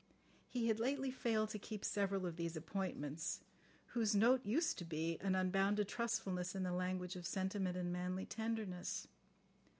He had lately failed to keep several of these appointments, whose note used to be an unbounded trustfulness in the language of sentiment and manly tenderness.